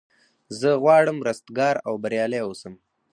زه غواړم رستګار او بریالی اوسم.